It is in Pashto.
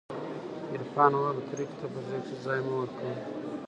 عرفان وويل کرکې ته په زړه کښې ځاى مه ورکوه.